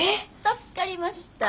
助かりました。